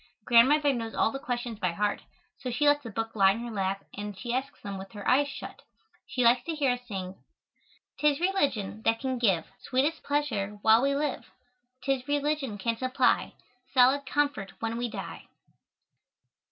Grandmother knows all the questions by heart, so she lets the book lie in her lap and she asks them with her eyes shut. She likes to hear us sing: "'Tis religion that can give Sweetest pleasure while we live, 'Tis religion can supply Solid comfort when we die."